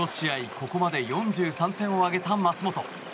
ここまで４３点を挙げた舛本。